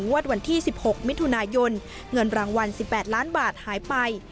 วันที่๑๖มิถุนายนเงินรางวัล๑๘ล้านบาทหายไป